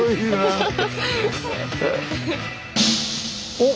おっ。